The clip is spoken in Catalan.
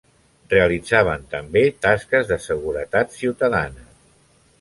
Realitzaven també tasques de seguretat ciutadana.